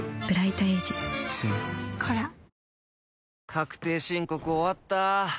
確定申告終わった。